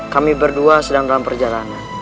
kami berdua sedang dalam perjalanan